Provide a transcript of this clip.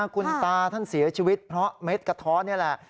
คุณตาท่านเสียชีวิตเพราะเม็ดกระท้อนี่แหละ